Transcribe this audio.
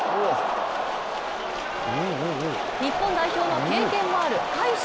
日本代表の経験もある海士